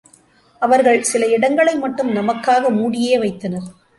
அவர்கள் சில இடங்களை மட்டும் நமக்காக மூடியே வைத்தனர்.